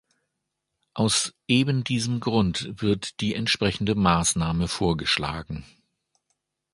Aus ebendiesem Grund wird die entsprechende Maßnahme vorgeschlagen.